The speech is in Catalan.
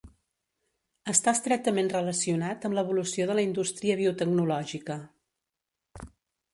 Està estretament relacionat amb l'evolució de la indústria biotecnològica.